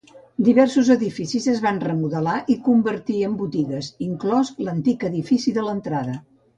Diversos edificis es van remodelar i convertir en botigues, inclòs l'antic edifici de l'entrada.